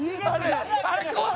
あれ怖い。